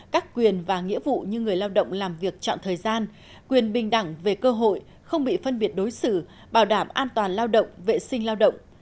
các quyền và nghĩa vụ như người lao động làm việc chọn thời gian quyền bình đẳng về cơ hội không bị phân biệt đối xử bảo đảm an toàn lao động vệ sinh lao động